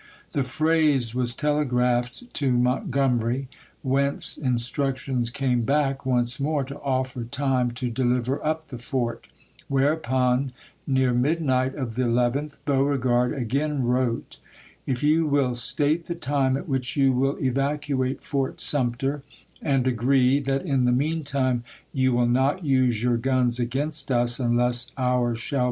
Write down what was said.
The phrase was tele graphed to Montgomery, whence instructions came back once more to offer time to deliver up the fort ; whereupon, near midnight of the 11th, Beauregard again wrote : If you will state the time at which you will evacuate Fort Sumter, and agree that in the mean time you will A^MiTsei ^^^^^^^ your guns against us unless ours shall be em 11 p.'